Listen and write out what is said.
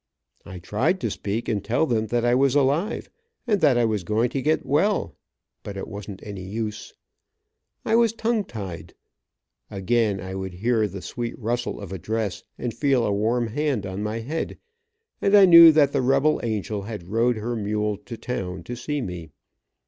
I tried to speak and tell them that I was alive, and that I was going to get well, but it, wasn't any use. I was tongue tied. Again I would hear the sweet rustle of a dress, and feel a warm hand on my head, and I knew that the rebel angel had rode her mule to town to see me.